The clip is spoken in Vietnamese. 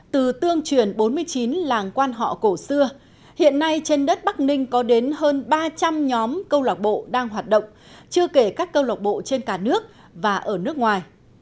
từ tương truyền bốn mươi chín làng quan họ cổ xưa hiện nay trên đất bắc ninh có đến hơn ba trăm linh nhóm câu lạc bộ đang hoạt động chưa kể các câu lộc bộ trên cả nước và ở nước ngoài